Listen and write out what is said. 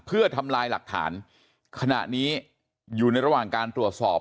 เพื่อทำลายหลักฐานขณะนี้อยู่ในระหว่างการตรวจสอบ